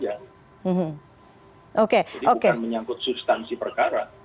jadi bukan menyangkut substansi perkara